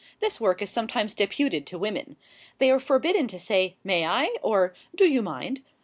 This work is sometimes deputed to women. They are forbidden to say "May I?" or "Do you mind?"